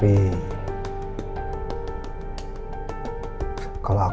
tidak ada yang bisa diberikan kekuatan